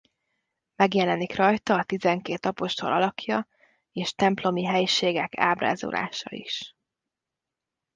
Megjelenik rajta a tizenkét apostol alakja és templomi helyiségek ábrázolása is.